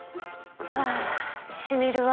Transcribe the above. あしみるわ。